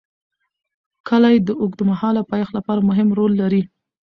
کلي د اوږدمهاله پایښت لپاره مهم رول لري.